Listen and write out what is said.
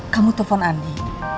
kamu telfon andi